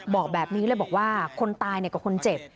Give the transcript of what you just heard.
บอกแบบนี้เลยบอกว่าคนตายกับคนเจ็บ